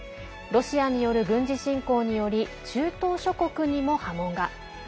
ロシアによる軍事侵攻により中東諸国にも波紋が。